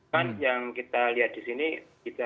kan yang kita lihat di sini kita